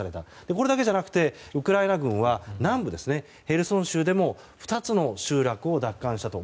これだけじゃなくウクライナ軍は南部へルソン州でも２つの集落を奪還したと。